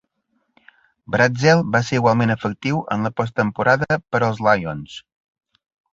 Brazzell va ser igualment efectiu en la post-temporada per als Lions.